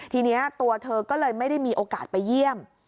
ทีนี้ตัวเธอก็เลยไม่ได้มีโอกาสไปเยี่ยม